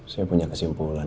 saya punya kesimpulan